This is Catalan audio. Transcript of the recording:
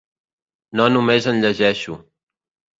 No només en llegeixo.